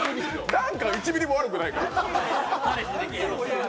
ダンカン１ミリも悪くないから。